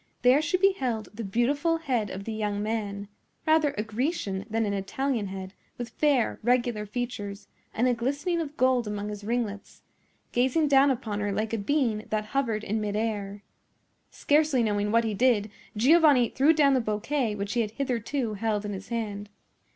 There she beheld the beautiful head of the young man—rather a Grecian than an Italian head, with fair, regular features, and a glistening of gold among his ringlets—gazing down upon her like a being that hovered in mid air. Scarcely knowing what he did, Giovanni threw down the bouquet which he had hitherto held in his hand.